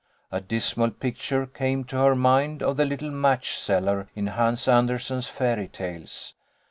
A dismal picture came to her mind of the little match seller in Hans Andersen's fairy tales.